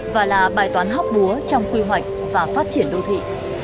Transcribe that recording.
và là bài toán hóc búa trong quy hoạch và phát triển đô thị